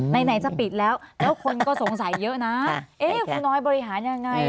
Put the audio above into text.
ไหนจะปิดแล้วแล้วคนก็สงสัยเยอะนะเอ๊ะคุณน้อยบริหารยังไง